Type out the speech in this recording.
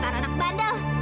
desan anak bandel